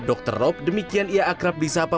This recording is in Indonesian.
dokter rob demikian ia akrab di sapa memperkenalkan